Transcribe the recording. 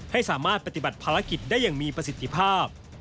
ให้สามารถปฏิบัติภารกิจได้อย่างมีประสิทธิภาพ